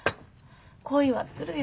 恋は来るよ。